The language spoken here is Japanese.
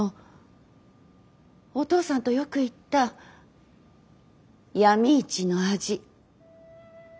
お父さんとよく行った闇市の味。